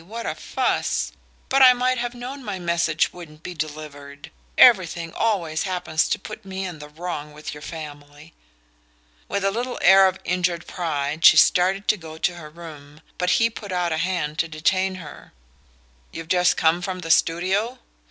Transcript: What a fuss! But I might have known my message wouldn't be delivered. Everything always happens to put me in the wrong with your family." With a little air of injured pride she started to go to her room; but he put out a hand to detain her. "You've just come from the studio?"